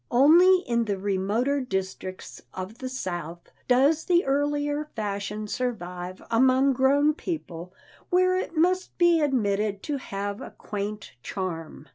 Only in the remoter districts of the South does the earlier fashion survive among grown people where it must be admitted to have a quaint charm.